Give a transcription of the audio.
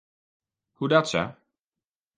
Hoedatsa?